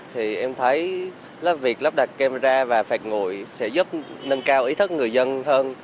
thì em thấy việc lắp đặt camera và phạt ngồi sẽ giúp nâng cao ý thức người dân hơn